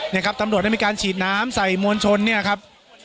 นี่ครับตำรวจได้มีการฉีดน้ำใส่มวลชนเนี่ยครับ